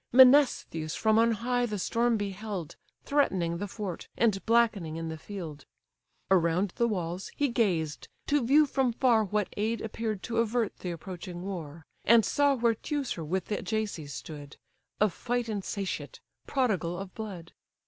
Menestheus from on high the storm beheld Threatening the fort, and blackening in the field: Around the walls he gazed, to view from far What aid appear'd to avert the approaching war, And saw where Teucer with the Ajaces stood, Of fight insatiate, prodigal of blood.